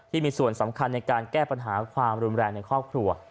ที่มีส่วนสำคัญในการแก้ปัญหาความรุนแรงในครอบครัว